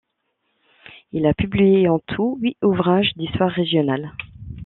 Il a publié en tout huit ouvrages d'histoire régionale.